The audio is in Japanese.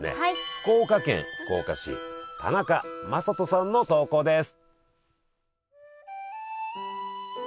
福岡県福岡市田中雅人さんの投稿です。